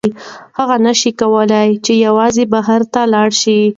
هغه نشي کولی چې یوازې بهر لاړه شي.